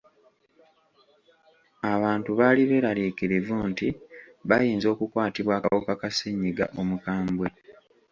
Abantu baali beeraliikirivu nti bayinza okukwatibwa akawuka ka ssenyiga omukambwe.